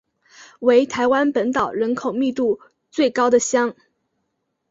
为台湾本岛人口密度最高的乡。